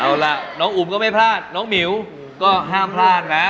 เอาล่ะน้องอุ๋มก็ไม่พลาดน้องหมิวก็ห้ามพลาดนะ